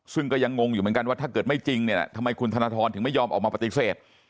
ซึ่งก็ยังงงอยู่เหมือนกันว่าถ้าเกิดไม่จริงเนี่ยทำไมคุณธนทรถึงไม่ยอมออกมาปฏิเสธ